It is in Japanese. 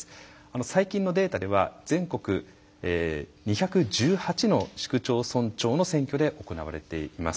最近のデータでは全国２１８の市区町村長の選挙で行われています。